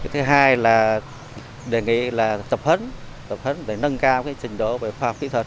thứ hai là đề nghị là tập hấn tập hấn để nâng cao trình độ về khoa học kỹ thuật